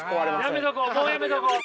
やめとこうもうやめとこう。